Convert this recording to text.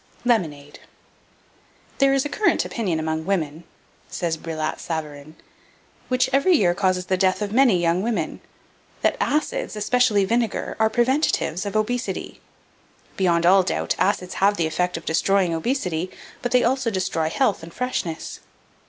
LEMONADE "There is a current opinion among women" says Brillat Savarin "which every year causes the death of many young women, that acids, especially vinegar, are preventives of obesity. Beyond all doubt, acids have the effect of destroying obesity; but they also destroy health and freshness.